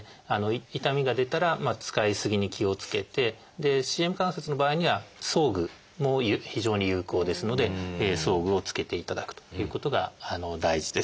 痛みが出たら使い過ぎに気をつけてＣＭ関節の場合には装具も非常に有効ですので装具を着けていただくということが大事です。